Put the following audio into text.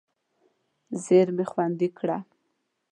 زېرمې خوندي کړه.